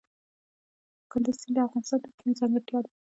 کندز سیند د افغانستان د اقلیم ځانګړتیا ده.